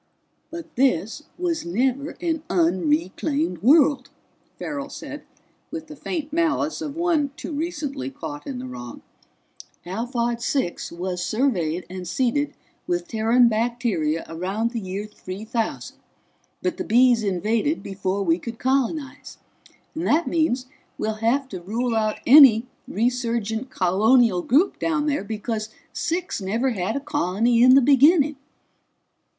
"But this was never an unreclaimed world," Farrell said with the faint malice of one too recently caught in the wrong. "Alphard Six was surveyed and seeded with Terran bacteria around the year 3000, but the Bees invaded before we could colonize. And that means we'll have to rule out any resurgent colonial group down there, because Six never had a colony in the beginning."